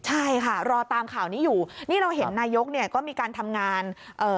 ใช่ค่ะรอตามข่าวนี้อยู่นี่เราเห็นนายกเนี่ยก็มีการทำงานเอ่อ